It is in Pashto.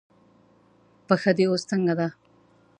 پښه دې اوس څنګه ده؟